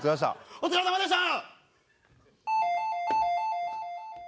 お疲れさまでした！